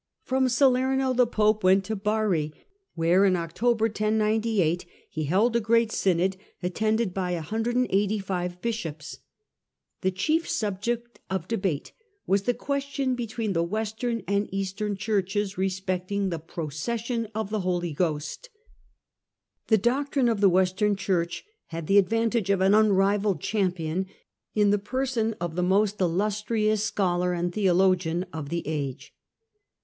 From Salerno the pope went to Bari, where in October he held a great synod, attended by 185 bishops. Synod of The chief subject of debate was the question ^*^^^ between the Western and Eastern Churches respecting the procession of the Holy Ghost. The doctrine of the Western Church had the advantage of an unrivalled champion in the person of the most illus trious scholar and theologian of the age.